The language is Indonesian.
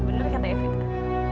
bener kata evita